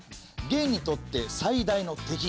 元にとって最大の敵。